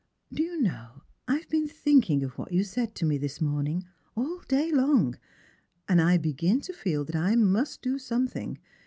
" Do you know, I have been thinking of what you said to me this morning, all day long ; and I begin to feel that I must do some thing.